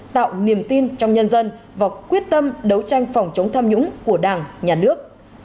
tạo niềm tin trong nhân dân và quyết tâm đấu tranh phòng chống tham nhũng của đảng nhà nước